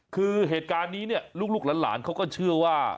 คือเหตุการณ์นี้เนี่ยลูกหลานเขาก็เชื่อว่า